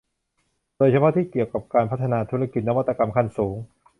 โดยเฉพาะที่เกี่ยวกับการพัฒนาธุรกิจนวัตกรรมขั้นสูง